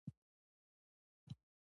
د ډیپلوماسی له لارې اقتصادي همکاري پراخیږي.